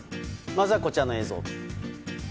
まずはこちらの映像。